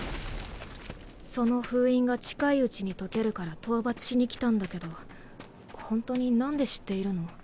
その封印が近いうちに解けるから討伐しに来たんだけどホントに何で知っているの？